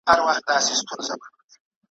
هره ورځ یې شل او دېرش ورنه پلورلې `